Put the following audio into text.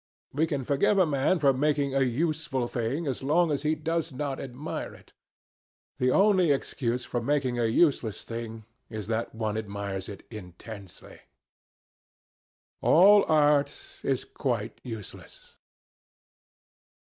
We can forgive a man for making a useful thing as long as he does not admire it. The only excuse for making a useless thing is that one admires it intensely. All art is quite useless.